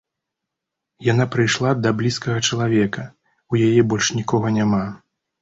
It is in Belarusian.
Яна прыйшла да блізкага чалавека, у яе больш нікога няма.